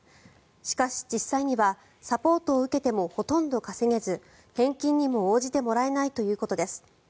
しかし、実際にはサポートを受けてもほとんど稼げず返金にも応じてもらえないということです。